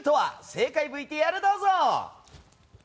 正解ＶＴＲどうぞ。